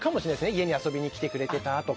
家に遊びに来てくれてたとか。